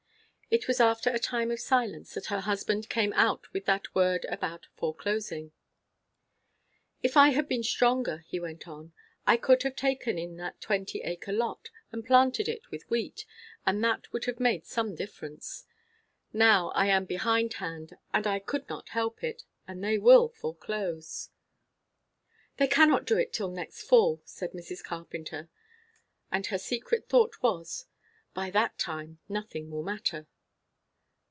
It was after a time of silence that her husband came out with that word about foreclosing. "If I had been stronger," he went on, "I could have taken in that twenty acre lot and planted it with wheat; and that would have made some difference. Now I am behindhand and I could not help it and they will foreclose." "They cannot do it till next fall," said Mrs. Carpenter; and her secret thought was, By that time, nothing will matter!